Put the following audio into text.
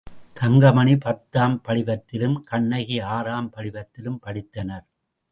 தங்கமணி பத்தாம் படிவத்திலும், கண்ணகி ஆறாம் படிவத்திலும் படித்தனர்.